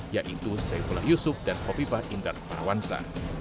yaitu saifullah yusuf dan hovifah indar parawansa